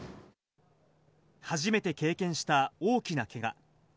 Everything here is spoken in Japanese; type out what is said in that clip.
初めて経験した大きなけが。